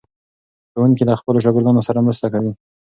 ښوونکی له خپلو شاګردانو سره مرسته کوي.